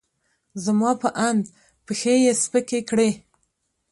زما په اند، پښې یې سپکې کړې.